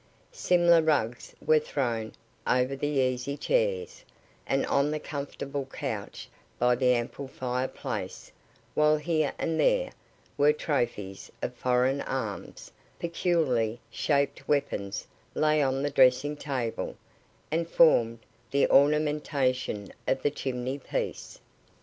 Similar rugs were thrown over the easy chairs, and on the comfortable couch by the ample fire place, while here and there were trophies of foreign arms; peculiarly shaped weapons lay on the dressing table, and formed the ornamentation of the chimney piece.